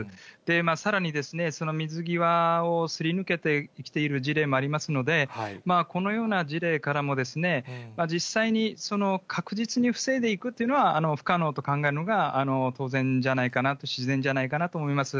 さらに、その水際をすり抜けてきている事例もありますので、このような事例からも、実際に、確実に防いでいくというのは不可能と考えるのが、当然じゃないかなと、自然じゃないかなと思います。